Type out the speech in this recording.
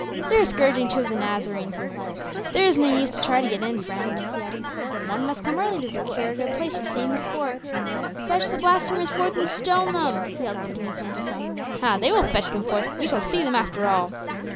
"They are scourging two of the Nazarenes," he replied. "There is no use to try to get in, friend," he added. "One must come early to secure a good place for seeing the sport. Fetch the blasphemers forth and stone them," he yelled, putting his hand to his mouth. "Ha! they will fetch them forth; we shall see them after all!"